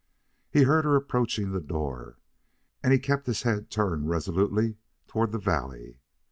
He heard her approaching the door, and kept his head turned resolutely toward the valley.